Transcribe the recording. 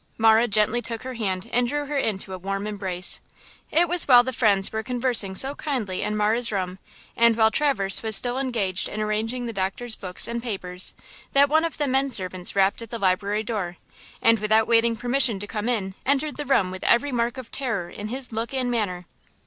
Marah gently took her hand and drew her into a warm embrace. It was while the friends were conversing so kindly in Marah's room, and while Traverse was still engaged in arranging the doctor's books and papers that one of the men servants rapped at the library door, and without waiting permission to come in, entered the room with every mark of terror in his look and manner.